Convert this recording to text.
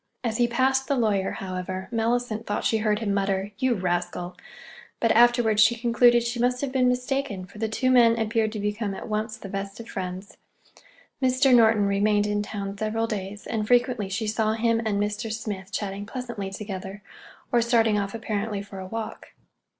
As he passed the lawyer, however, Mellicent thought she heard him mutter, "You rascal!" But afterwards she concluded she must have been mistaken, for the two men appeared to become at once the best of friends. Mr. Norton remained in town several days, and frequently she saw him and Mr. Smith chatting pleasantly together, or starting off apparently for a walk.